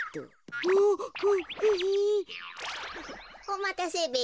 おまたせべ。